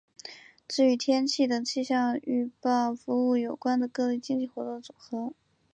指与天气等气象预报服务有关的各类经济活动的总和。